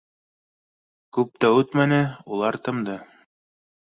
Күп тә үтмәне, улар тымды